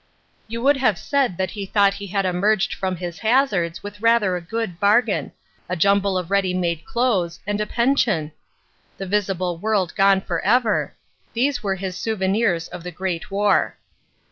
You would have said that he thought he had emerged from his hazards with rather a good bargain. A jumble of ready made clothes and a pension! The visible world gone for ever! These were his souvenirs of the great war.